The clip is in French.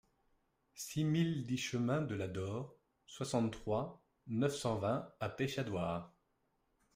six mille dix chemin de la Dore, soixante-trois, neuf cent vingt à Peschadoires